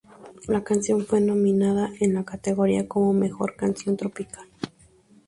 La canción fue nominada en la categoría como "Mejor Canción Tropical".